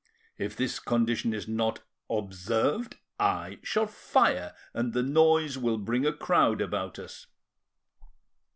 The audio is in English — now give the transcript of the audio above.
If this condition is not observed, I shall fire, and the noise will bring a crowd about us.